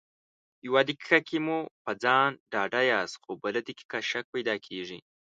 يو دقيقه کې مو په ځان ډاډه ياست خو بله دقيقه شک پیدا کېږي.